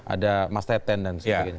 ada mas teten dan sebagainya